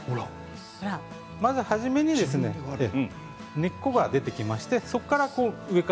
まずはじめに根っこが出てきまして